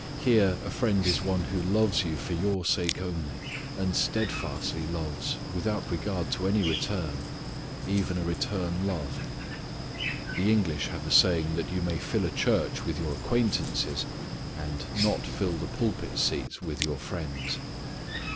Here, a friend is one who loves you for your sake only and steadfastly loves without regard to any return, even a return love. The English have a saying that you may fill a church with your acquaintances, and not fill the pulpit seats with your friends.